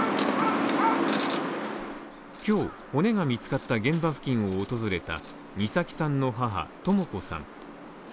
今日骨が見つかった現場付近を訪れた美咲さんの母とも子さん。